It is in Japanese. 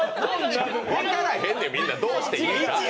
分からへんで、みんな、どうしたらいいか。